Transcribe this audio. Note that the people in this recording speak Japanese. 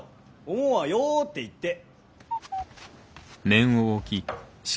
お毛は「よ！」って言って。